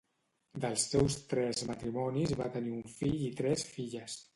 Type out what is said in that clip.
Dels seus tres matrimonis va tenir un fill i tres filles.